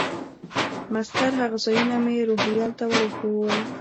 مسطر هغه ځایونه مې روهیال ته ور وښوول.